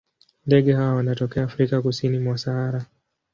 Ndege hawa wanatokea Afrika kusini mwa Sahara.